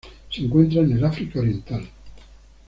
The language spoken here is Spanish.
Se encuentra en el África oriental.